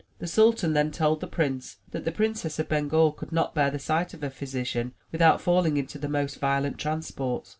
The sultan then told the prince that the Princess of Bengal could not bear the sight of a physician without falling into the most violent transports.